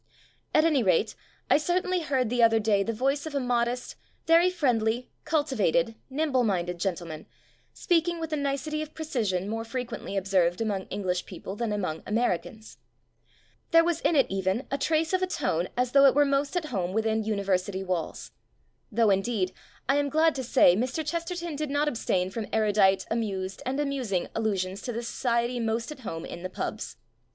At any rate, I cer tainly heard the other day the voice of a modest, very friendly, cultivated, nimble minded gentleman, speaking with the nicety of precision more fre quently observed among English peo ple than among Americans. There was in it even a trace of a tone as though it were most at home within university walls. Though, indeed, I am glad to say, Mr. Chesterton did not abstain from erudite, amused, and amusing allusions to the society most at home in the "pubs".